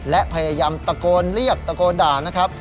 และพยายามตะโกนเรียกตะโกนด่านะครับ